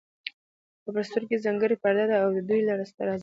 او پر سترگو ئې ځانگړې پرده ده او دوى لره ستر عذاب دی